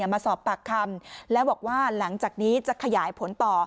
มาสอบปากคำแล้วบอกว่าหลังจากนี้จะขยายผลต่อ